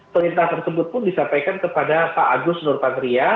perintah tersebut pun disampaikan kepada pak agus nur patria